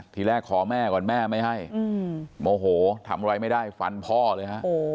ทีแรกขอแม่ก่อนแม่ไม่ให้โมโหทำอะไรไม่ได้ฟันพ่อเลยฮะ